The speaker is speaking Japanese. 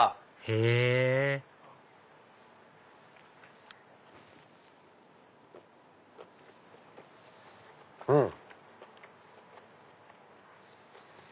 へぇうん。